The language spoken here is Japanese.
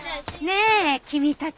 ねえ君たち。